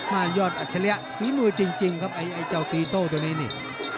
มันยอดอัจฉริยะศรีมือจริงจริงครับไอเจ้าตีโตตัวนี้นี่